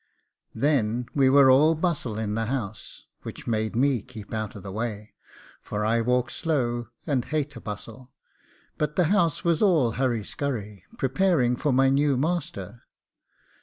Then we were all bustle in the house, which made me keep out of the way, for I walk slow and hate a bustle; but the house was all hurry skurry, preparing for my new master.